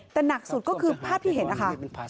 แต่หนักสุดก็คือภาพที่เห็นนะคะ